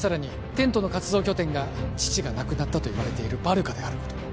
テントの活動拠点が父が亡くなったといわれているバルカであること